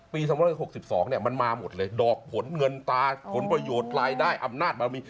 ๒๖๒มันมาหมดเลยดอกผลเงินตาผลประโยชน์รายได้อำนาจบารมี